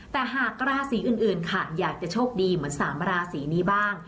แต่หากราศีอื่นค่ะอยากจะโชคดีเหมือน๓ราศีนี้บ้าง